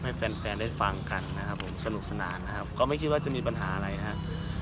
ให้แฟนแฟนได้ฟังกันนะครับผมสนุกสนานนะครับก็ไม่คิดว่าจะมีปัญหาอะไรนะครับ